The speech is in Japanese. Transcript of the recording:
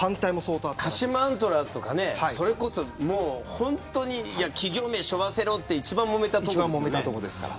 鹿島アントラーズとか企業名を背負わせろと一番もめたところですから。